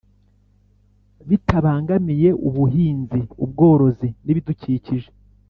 Bitabangamiye ubuhinzi ubworozi n ibidukikije